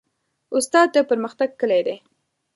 استاد د پرمختګ کلۍ ده.